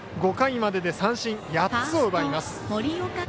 ５回までで三振８つを奪います。